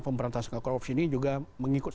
pemberantasan korupsi ini juga mengikut